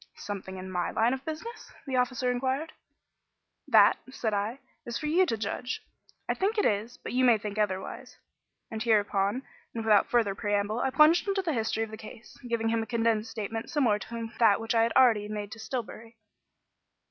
"Something in my line of business?" the officer inquired. "That," said I, "is for you to judge. I think it is, but you may think otherwise"; and hereupon, without further preamble, I plunged into the history of the case, giving him a condensed statement similar to that which I had already made to Stillbury.